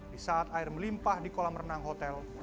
di saat air melimpah di kolam renang hotel